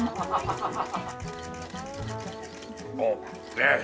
もうねっ。